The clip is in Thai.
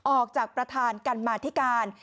ออกจากประธานกรรมาธิการ